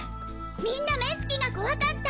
みんな目つきがコワかった！